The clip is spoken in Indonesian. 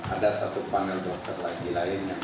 ada satu panel dokter lagi lain